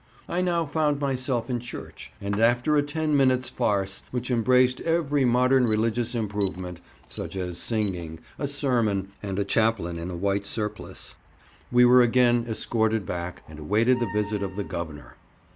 I now found myself in church, and after a ten minutes' farce, which embraced every modern religious improvement—such as singing, a sermon, and a chaplain in a white surplice—we were again escorted back, and awaited the visit of the Governor.